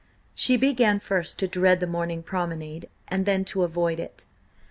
She began first to dread the morning promenade, and then to avoid it.